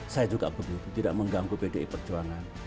saya juga begitu tidak mengganggu pdi perjuangan